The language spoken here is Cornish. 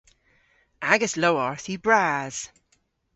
Agas lowarth yw bras.